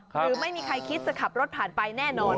หรือไม่มีใครคิดจะขับรถผ่านไปแน่นอน